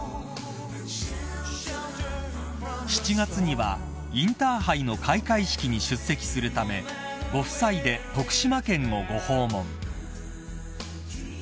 ［７月にはインターハイの開会式に出席するためご夫妻で徳島県をご訪問］